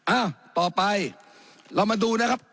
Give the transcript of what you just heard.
อ้าวต่อไปเรามาดูนะครับ